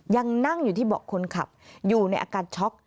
ยังนั่งอยู่ที่เบาะคนขับอยู่ในอาการช็อก